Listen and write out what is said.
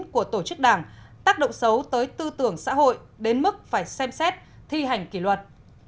của tổ chức đảng tác động xấu tới tư tưởng xã hội đến mức phải xem xét thi hành kỷ luật